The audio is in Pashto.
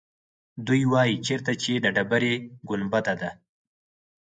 دوی وایيچېرته چې د ډبرې ګنبده ده.